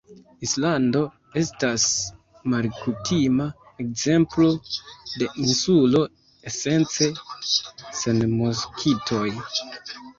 Islando estas malkutima ekzemplo de insulo, esence sen moskitoj.